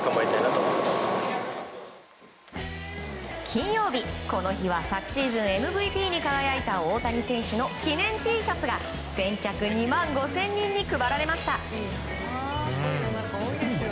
金曜日、この日は昨シーズンＭＶＰに輝いた大谷選手の記念Ｔシャツが先着２万５０００人に配られました。